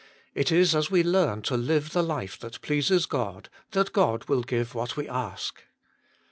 It is as we learn to live the life that pleases God, that God will give what we ask.